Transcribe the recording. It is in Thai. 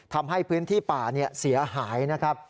ทำให้พื้นที่ป่าเสียหายนะครับ